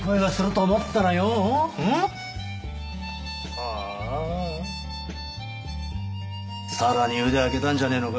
はぁさらに腕上げたんじゃねぇのか？